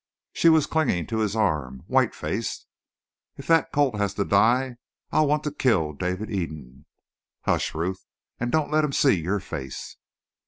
She was clinging to his arm, white faced. "If that colt has to die I I'll want to kill David Eden!" "Hush, Ruth! And don't let him see your face!"